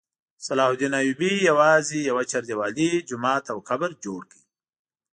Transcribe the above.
صلاح الدین ایوبي یوازې یوه چاردیوالي، جومات او قبر جوړ کړ.